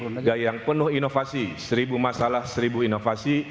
dengan gaya yang penuh inovasi seribu masalah seribu inovasi